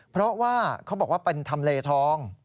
เพราะว่าเขาบอกว่าเป็นทำเลทอง